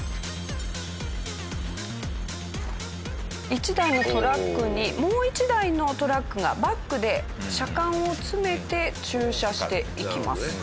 一台のトラックにもう一台のトラックがバックで車間を詰めて駐車していきます。